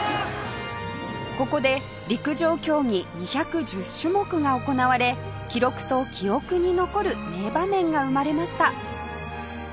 ここで陸上競技２１０種目が行われ記録と記憶に残る名場面が生まれました